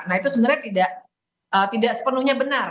nah itu sebenarnya tidak sepenuhnya benar